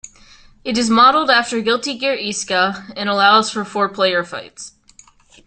It is modeled after "Guilty Gear Isuka", and also allows for four player fights.